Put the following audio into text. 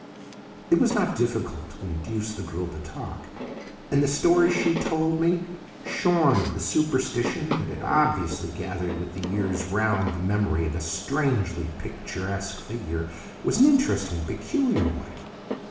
It was not difficult to induce the girl to talk, and the story she told me, shorn of the superstition that had obviously gathered with the years round the memory of a strangely picturesque figure, was an interesting and peculiar one.